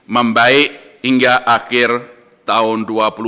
membaik hingga akhir tahun dua ribu dua puluh dua